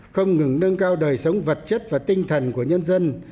không ngừng nâng cao đời sống vật chất và tinh thần của nhân dân